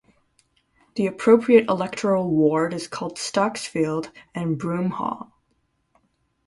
The appropriate electoral ward is called Stocksfield and Broomhaugh.